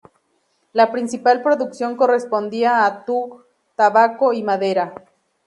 La principal producción correspondía a tung, tabaco y madera.